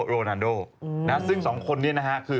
เราต้องมาเจอกันไฟล์ตรงแภบ